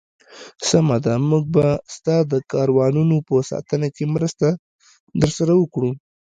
سمه ده، موږ به ستا د کاروانونو په ساتنه کې مرسته درسره وکړو.